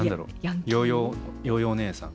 ヨーヨー姉さん？